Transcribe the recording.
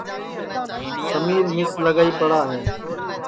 سمِیر مِس لگائی پڑا ہے